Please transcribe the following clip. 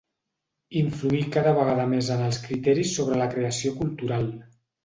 Influir cada vegada més en els criteris sobre la creació cultural